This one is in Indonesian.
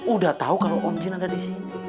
udah tau kalo om jun ada disini